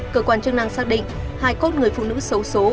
cơ quan chức năng xác định hai cốt người phụ nữ xấu xố